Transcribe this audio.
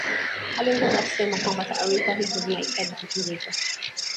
aliongeza akisema kwamba taarifa hizo zinahitaji kuchunguzwa